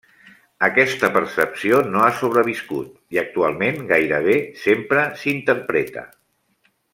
Aquesta percepció no ha sobreviscut, i actualment gairebé sempre s'interpreta.